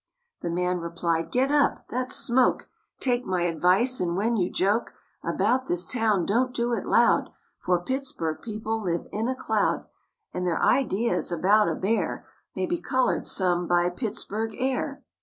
The man replied, "Get up; that's smoke; Take my advice and when you joke About this town, don't do it loud, For Pittsburg people live in a cloud, And their ideas about a bear May be colored some by Pittsburg air."